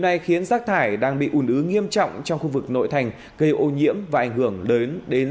này khiến rác thải đang bị ủn ứ nghiêm trọng trong khu vực nội thành gây ô nhiễm và ảnh hưởng đến